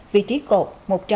vị trí cột một trăm chín mươi chín